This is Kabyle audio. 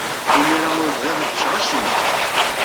Imir-a, ur bɣiɣ ad cceɣ acemma.